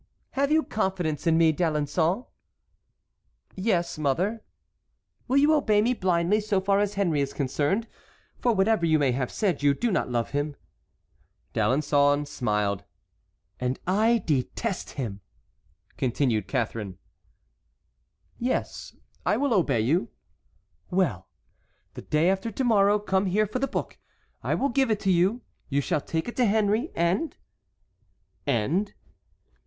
"Have you confidence in me, D'Alençon?" "Yes, mother." "Will you obey me blindly so far as Henry is concerned? For whatever you may have said you do not love him." D'Alençon smiled. "And I detest him," continued Catharine. "Yes, I will obey you." "Well, the day after to morrow come here for the book; I will give it to you, you shall take it to Henry, and"— "And?"